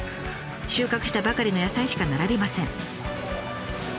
収穫したばかりの野菜しか並びません。